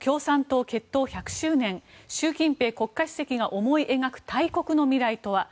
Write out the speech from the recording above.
こちら、今日中国共産党結党１００周年習近平国家主席が思い描く大国の未来とは。